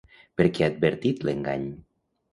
Per què ha advertit l'engany?